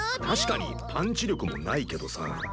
確かにパンチ力もないけどさ。